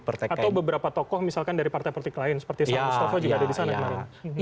atau beberapa tokoh misalkan dari partai politik lain seperti saya mustafa juga ada di sana kemarin